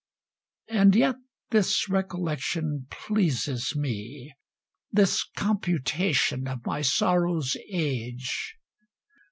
And yet this recollection pleases me, This computation of my sorrow's age.